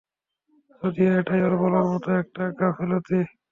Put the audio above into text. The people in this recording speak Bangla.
যদিও, এটাই ওর বলার মতো একটা গাফেলতি!